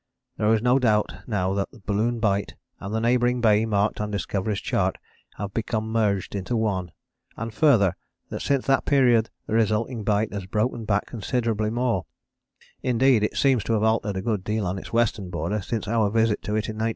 There is no doubt now that Balloon Bight and the neighbouring bay marked on the Discovery's chart have become merged into one, and further, that since that period the resulting bight has broken back considerably more: indeed it seems to have altered a good deal on its western border since our visit to it in 1908.